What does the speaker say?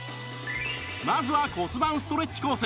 まずは骨盤ストレッチコース